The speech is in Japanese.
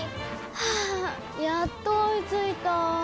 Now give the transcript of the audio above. はぁやっと追いついたぁ。